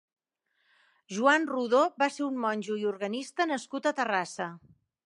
Joan Rodó va ser un monjo i organista nascut a Terrassa.